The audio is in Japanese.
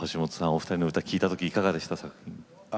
お二人の歌聴いた時いかがでした？